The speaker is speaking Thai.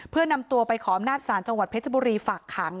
เพื่อนำตัวไปขออำนาจศาลจังหวัดเพชรบุรีฝากขัง